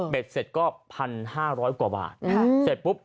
เสร็จก็๑๕๐๐กว่าบาทเสร็จปุ๊บ